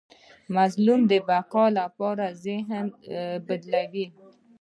مظلوم د بقا لپاره ذهن بدلوي.